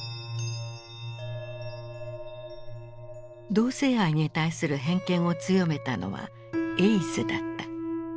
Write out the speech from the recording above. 同性愛に対する偏見を強めたのは「エイズ」だった。